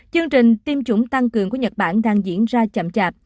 chương trình tiêm chủng tăng cường của nhật bản đang diễn ra chậm chạp